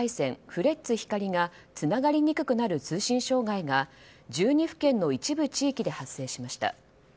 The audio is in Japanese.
フレッツ光がつながりにくくなる通信障害が１２府県の一部地域で発生しました。